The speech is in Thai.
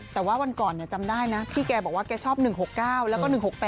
แต่ว่าวันก่อนจำได้นะพี่แกบอกว่าแกชอบ๑๖๙แล้วก็๑๖๘